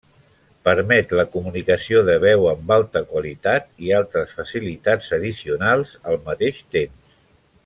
Permet la comunicació de veu amb alta qualitat i altres facilitats addicionals al mateix temps.